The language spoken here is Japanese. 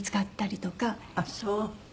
ああそう。